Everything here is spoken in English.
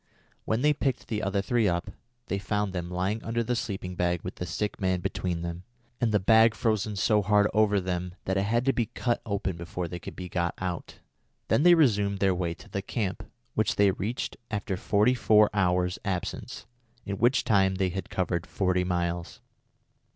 When they picked the other three up, they found them lying under the sleeping bag with the sick man between them, and the bag frozen so hard over them that it had to be cut open before they could be got out. Then they resumed their way to the camp, which they reached after forty four hours' absence, in which time they had covered forty miles.